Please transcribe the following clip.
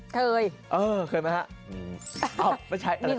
เคยเคยไหมฮะเป็นใช้อัลติ๊งค่ะออกไม่ใช่